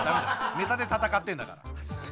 ネタで戦ってんだから。